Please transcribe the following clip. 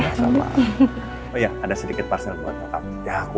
oh iya ada sedikit parsel buat kakak